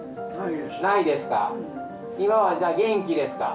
ないですか